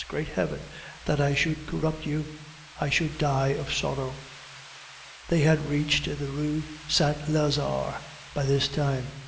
Great Heaven! that I should corrupt you! I should die of sorrow!" They had reached the Rue Saint Lazare by this time.